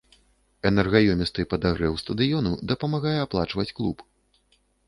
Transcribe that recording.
Энергаёмісты падагрэў стадыёну дапамагае аплачваць клуб.